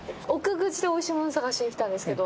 久慈でおいしいもの探しに来たんですけど。